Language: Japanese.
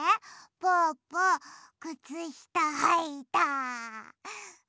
ぽぅぽくつしたはいた！